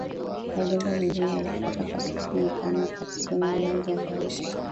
majimbo mengine yalifuata Kwa sasa ni Kano Katsina Niger Bauchi